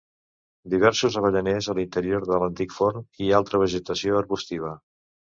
Diversos avellaners a l'interior de l'antic forn, i altra vegetació arbustiva.